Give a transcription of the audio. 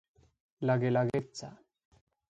La Guelaguetza.